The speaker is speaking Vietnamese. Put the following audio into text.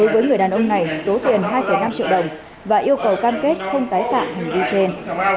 với người đàn ông này số tiền hai năm triệu đồng và yêu cầu cam kết không tái phạm hành vi trên